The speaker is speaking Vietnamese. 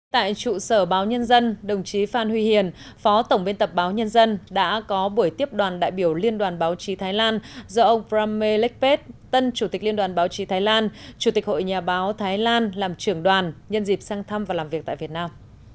tại trụ sở báo nhân dân đồng chí phan huy hiền phó tổng biên tập báo nhân dân đã có buổi tiếp đoàn đại biểu liên đoàn báo chí thái lan do ông prame lekpat tân chủ tịch liên đoàn báo chí thái lan chủ tịch hội nhà báo thái lan làm trưởng đoàn nhân dịp sang thăm và làm việc tại việt nam